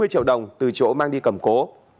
hai mươi triệu đồng từ chỗ mang đi cầm cố